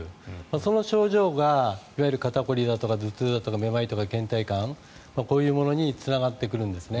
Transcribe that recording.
その症状がいわゆる肩凝りだとか頭痛だとか、めまいだとか倦怠感、こういうものにつながってくるんですね。